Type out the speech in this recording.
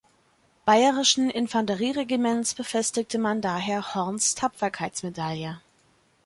Bayerischen Infanterie-Regiments befestigte man daher Horns Tapferkeitsmedaille.